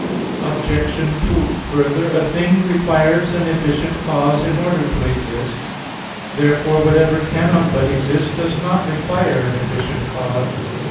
Obj. 2: Further, a thing requires an efficient cause in order to exist. Therefore whatever cannot but exist does not require an efficient cause.